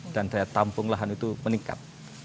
dan daya tampung lahan itu meningkat